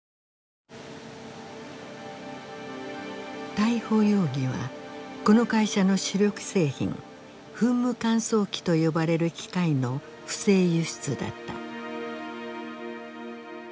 逮捕容疑はこの会社の主力製品噴霧乾燥機と呼ばれる機械の不正輸出だった。